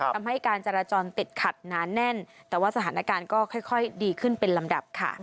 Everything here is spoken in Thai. การจราจรติดขัดหนาแน่นแต่ว่าสถานการณ์ก็ค่อยดีขึ้นเป็นลำดับค่ะ